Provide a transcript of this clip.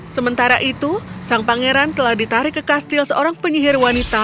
sementara itu sang pangeran telah ditarik ke kastil seorang penyihir wanita